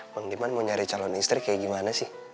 bang gimana mau nyari calon istri kayak gimana sih